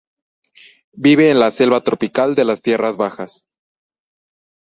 Vive en la selva tropical de las tierras bajas.